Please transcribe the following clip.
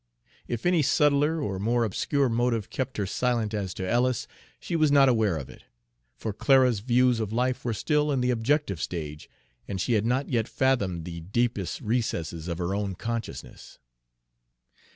If any subtler or more obscure motive kept her silent as to Ellis, she was not aware of it; for Clara's views of life were still in the objective stage, and she had not yet fathomed the deepest recesses of her own consciousness.